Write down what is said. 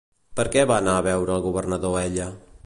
Per què va anar a veure el governador ella?